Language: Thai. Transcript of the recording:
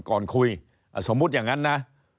ก่อนคุยสมมุติอย่างนั้นนะ